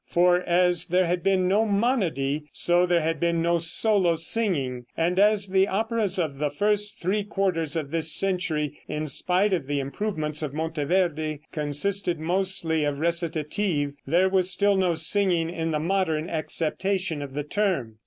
For as there had been no monody, so there had been no solo singing, and as the operas of the first three quarters of this century, in spite of the improvements of Monteverde, consisted mostly of recitative, there was still no singing in the modern acceptation of the term.